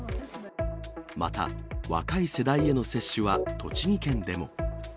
また、若い世代への接種は栃木県でも。